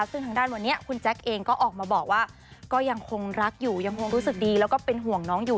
ซึ่งทางด้านวันนี้คุณแจ๊คเองก็ออกมาบอกว่าก็ยังคงรักอยู่ยังคงรู้สึกดีแล้วก็เป็นห่วงน้องอยู่